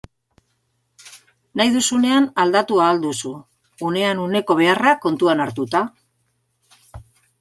Nahi duzunean aldatu ahal duzu, unean uneko beharrak kontuan hartuta.